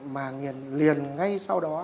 mà liền ngay sau đó